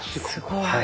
すごい。